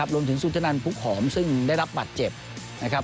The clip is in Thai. รวมถึงสุธนันทร์พุกหอมซึ่งได้รับปัดเจ็บ